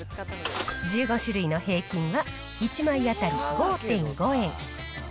１５種類の平均は１枚当たり５．５円。